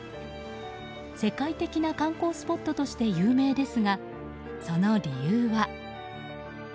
世界的な観光スポットとして有名ですが、その理由は。